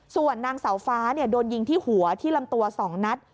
ส่วนนางเสาฟ้าโดนยิงที่หัวที่ลำตัว๒นัด